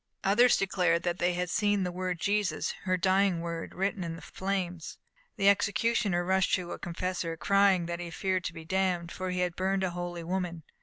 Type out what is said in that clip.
Others declared that they had seen the word Jesus her dying word written in the flames. The executioner rushed to a confessor crying that he feared to be damned, for he had burned a holy woman.